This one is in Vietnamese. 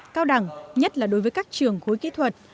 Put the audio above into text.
cao đẳng nhất là đối với các trường khối kỹ thuật